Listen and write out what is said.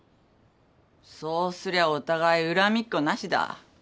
そうすりゃお互い恨みっこなしだ。